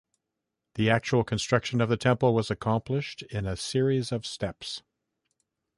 The actual construction of the temple was accomplished in a series of steps.